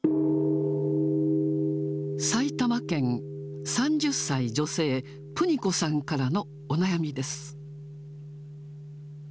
埼玉県、３０歳女性、ぷにこさんからのお悩みです。